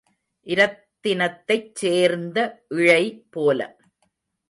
இரத்தினத்தைச் சேர்ந்த இழை போல.